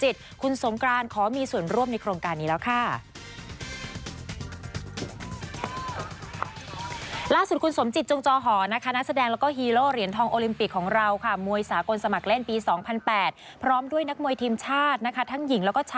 ทั้งหญิงแล้วก็ชาย